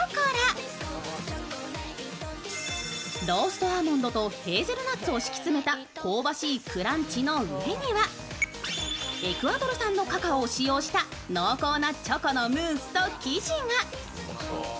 ローストアーモンドとヘーゼルナッツを敷き詰めた香ばしいクランチの上にはエクアドル産のカカオを使用した濃厚なチョコのムースと生地が。